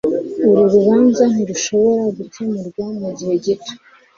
Uru rubanza ntirushobora gukemurwa mugihe gito.